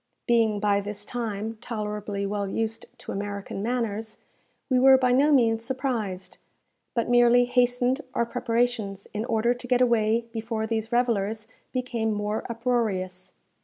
Being by this time tolerably well used to American manners, we were by no means surprised, but merely hastened our preparations, in order to get away before these revellers became more uproarious.